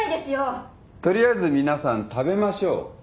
取りあえず皆さん食べましょう。